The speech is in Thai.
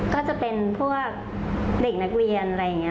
ก็จะเป็นพวกเด็กนักเรียนอะไรอย่างนี้